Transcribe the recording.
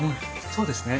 そうですね。